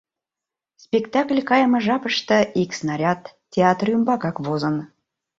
Спектакль кайыме жапыште ик снаряд театр ӱмбакак возын.